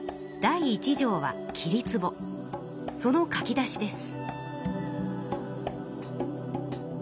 その書き出しです。